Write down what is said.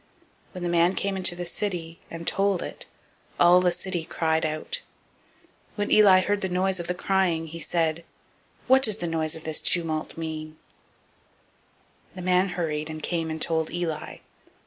When the man came into the city, and told it, all the city cried out. 004:014 When Eli heard the noise of the crying, he said, What means the noise of this tumult? The man hurried, and came and told Eli.